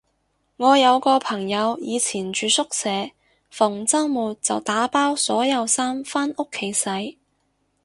我有個朋友以前住宿舍，逢周末就打包所有衫返屋企洗